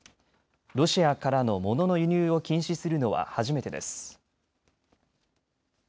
ロシアからのモノの輸入を禁止するのは初めてです。